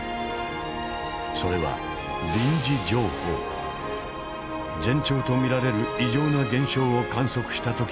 それは前兆と見られる異常な現象を観測した時に発表されます。